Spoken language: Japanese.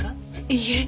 いいえ。